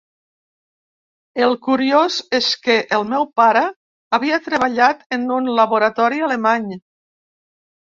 El curiós és que el meu pare havia treballat en un laboratori alemany.